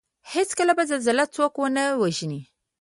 هېڅکله به زلزله څوک ونه وژني